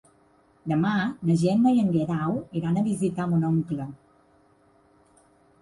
Demà na Gemma i en Guerau iran a visitar mon oncle.